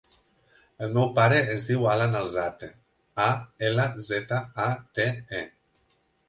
El meu pare es diu Alan Alzate: a, ela, zeta, a, te, e.